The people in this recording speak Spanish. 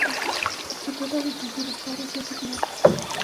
Se trata de estructuras pares y articuladas.